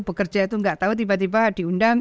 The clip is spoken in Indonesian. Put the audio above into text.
bekerja itu nggak tahu tiba tiba diundang